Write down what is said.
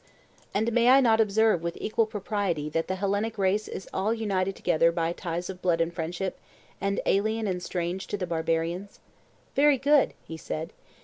And may I not observe with equal propriety that the Hellenic race is all united together by ties of blood and friendship, and alien and strange to the barbarians? Very good, he said.